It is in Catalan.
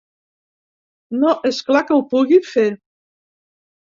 No és clar que ho pugui fer.